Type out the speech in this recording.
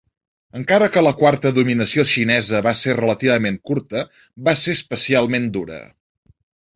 Encara que la quarta dominació xinesa va ser relativament curta, va ser especialment dura.